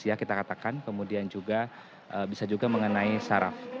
ya kita katakan kemudian juga bisa juga mengenai saraf